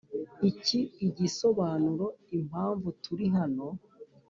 iki igisobanuro impamvu turi hano